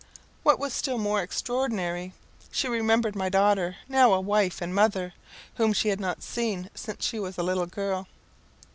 What was still more extraordinary, she remembered my daughter, now a wife and mother, whom she had not seen since she was a little girl.